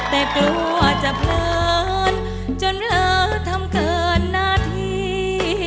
แต่กลัวจะเพลินจนเธอทำเกินหน้าที่